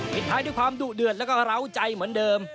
ท้ายด้วยความดุเดือดแล้วก็เล้าใจเหมือนเดิม